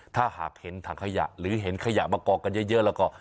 ถ้าหากเห็นถังขยะหรือเห็นขยะมากองกันเยอะแล้วก็